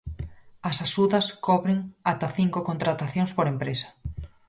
As axudas cobren ata cinco contratacións por empresa.